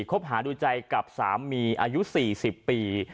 คบหาดูใจกับสามีอายุ๔๐ปี